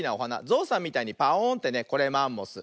ゾウさんみたいにパオーンってねこれマンモス。